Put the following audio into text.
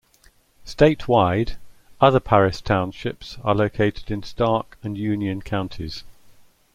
Statewide, other Paris Townships are located in Stark and Union counties.